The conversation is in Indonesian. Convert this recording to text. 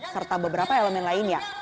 serta beberapa elemen lainnya